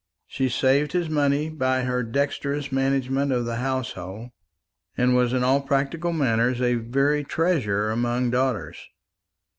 She saved his money by her dexterous management of the household, and was in all practical matters a very treasure among daughters.